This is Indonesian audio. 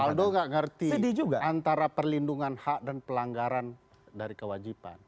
pak aldo nggak ngerti antara perlindungan hak dan pelanggaran dari kewajiban